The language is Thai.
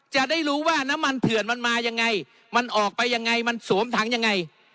จะได้รู้ว่าน้ำมันเถื่อนมันมายังไงมันออกไปยังไงมันสวมถังยังไง